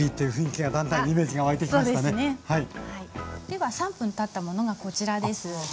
では３分たったものがこちらです。